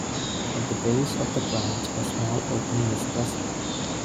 At the base of the branch a small opening is present.